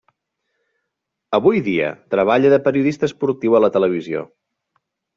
Avui dia treballa de periodista esportiu a la televisió.